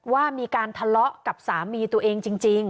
ว่ามีการทะเลาะกับสามีตัวเองจริง